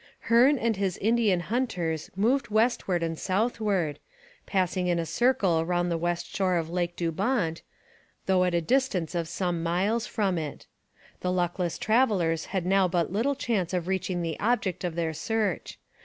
Hearne and his Indian hunters moved westward and southward, passing in a circle round the west shore of Lake Dubawnt, though at a distance of some miles from it. The luckless travellers had now but little chance of reaching the object of their search.